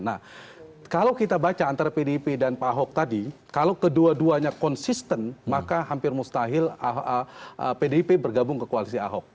nah kalau kita baca antara pdip dan pak ahok tadi kalau kedua duanya konsisten maka hampir mustahil pdip bergabung ke koalisi ahok